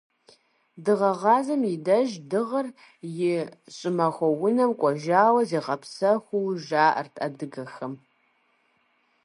Дыгъэгъазэм и деж Дыгъэр и щӀымахуэ унэм кӀуэжауэ зигъэпсэхуу жаӀэрт адыгэхэм.